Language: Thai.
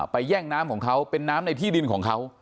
แย่งน้ำของเขาเป็นน้ำในที่ดินของเขา